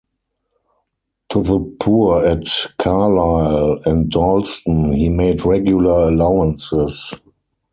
To the poor at Carlisle and Dalston he made regular allowances.